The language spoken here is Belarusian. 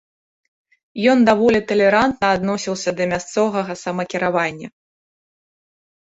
Ён даволі талерантна адносіўся да мясцовага самакіравання.